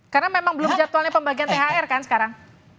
karena memang belum jadwalnya pembagian thr kan sekarang